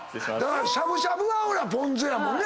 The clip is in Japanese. しゃぶしゃぶはポン酢やもんね。